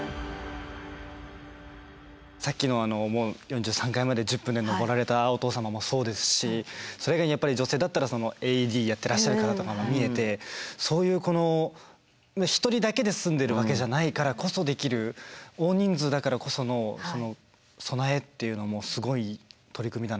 さっきの４３階まで１０分で上られたお父様もそうですしそれ以外にやっぱり女性だったらＡＥＤやってらっしゃる方とかも見えてそういうこの１人だけで住んでるわけじゃないからこそできる大人数だからこその備えっていうのもすごい取り組みだなってのを感じました。